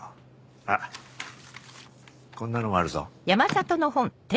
あっこんなのもあるぞ。